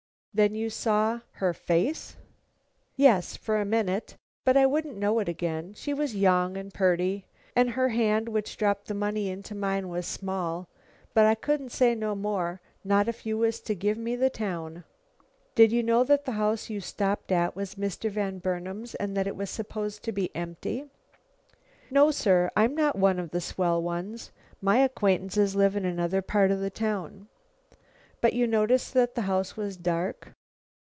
"Then you saw her face?" "Yes, for a minute. But I wouldn't know it again. She was young and purty, and her hand which dropped the money into mine was small, but I couldn't say no more, not if you was to give me the town." "Did you know that the house you stopped at was Mr. Van Burnam's, and that it was supposed to be empty?" "No, sir, I'm not one of the swell ones. My acquaintances live in another part of the town." "But you noticed that the house was dark?"